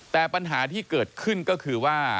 แต่ปัญหาที่เกิดขึ้นก็คือว่า